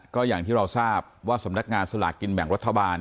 ก็อย่างที่เราทราบว่าสำนักงานสลากกินแบ่งรัฐบาล